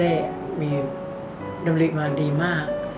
ได้มีดำริมาดีมาก